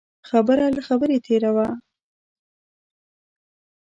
خبره له خبرې تېره وه.